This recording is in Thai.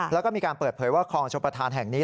แล้วก็มีการเปิดเผยว่าคลองชมประธานแห่งนี้